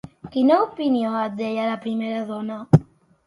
Quina opinió té d'ella la primera dona?